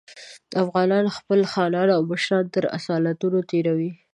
افغانان خپل خانان او مشران تر اصالتونو تېروي.